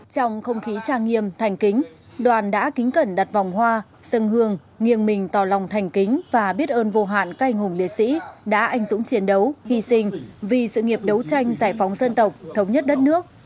trong không khí trang nghiêm thành kính đoàn đã kính cẩn đặt vòng hoa sân hương nghiêng mình tỏ lòng thành kính và biết ơn vô hạn các anh hùng liệt sĩ đã anh dũng chiến đấu hy sinh vì sự nghiệp đấu tranh giải phóng dân tộc thống nhất đất nước